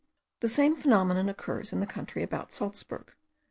The same phenomenon occurs in the country about Salzburg.